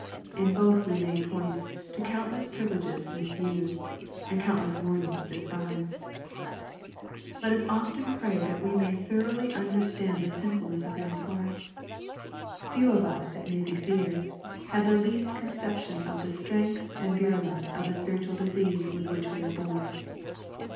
In both we may point to countless privileges misused, and count less warnings despised. Let us often praj that we may thoroughly understand 826 EXPOSITORY THOUGHTS. the sinftilneBS of man's heart. Few of us, it may be feared, have the least conception of the strength and virulence of the spiritual disease with which we are born.